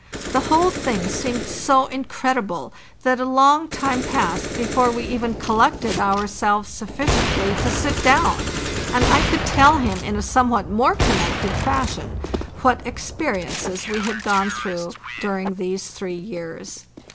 The whole thing seemed so incredible that a long time passed before we even collected our selves sufficiently to sit down, and I could tell him ina somewhat more connected fashion what experiences we had gone through during these three years.